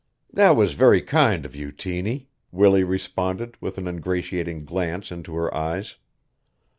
"That was very kind of you, Tiny," Willie responded with an ingratiating glance into her eyes.